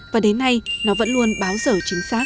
và đến nay nó vẫn luôn báo giờ chính xác